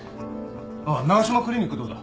あっ長島クリニックどうだ。